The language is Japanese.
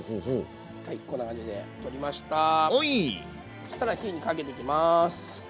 そしたら火にかけていきます。